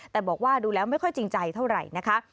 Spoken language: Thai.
แต่บอกว่าดูแล้วไม่ค่อยจริงใจเท่าไหร่นะคะ